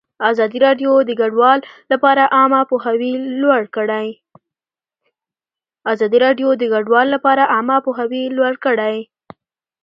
ازادي راډیو د کډوال لپاره عامه پوهاوي لوړ کړی.